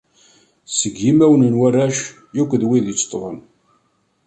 Seg yimawen n warrac akked wid itteṭṭḍen.